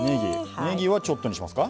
ねぎはちょっとにしますか？